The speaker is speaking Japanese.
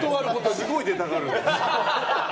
すごい出たがる。